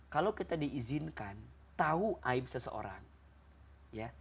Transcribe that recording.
kalau kita diizinkan tahu aib seseorang ya